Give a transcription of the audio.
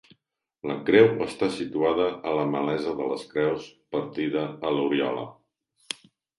La creu està situada a la malesa de les creus, partida a l'Oriola.